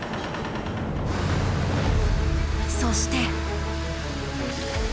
そして。